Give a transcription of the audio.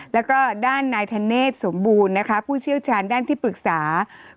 แล้วก็ด้านนายธเนธสมบูรณ์นะคะผู้เชี่ยวชาญด้านที่ปรึกษา